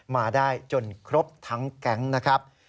มาได้จนครบทั้งแก๊งนะครับ